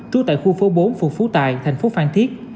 chú tại khu phố bốn phùng phú tài thành phố phan thiết